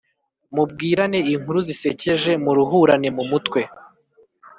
mubwirane inkuru zisekeje, muruhurane mu mutwe,